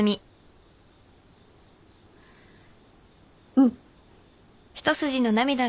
うん。